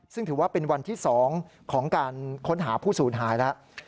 ซึ่งถือว่าเป็นวันที่๒ของการค้นหาผู้สูญหายแล้ว